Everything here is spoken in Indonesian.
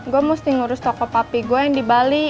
gue mesti ngurus toko papi gue yang di bali